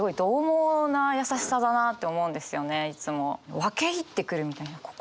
分け入ってくるみたいな心に。